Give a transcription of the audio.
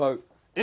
え！？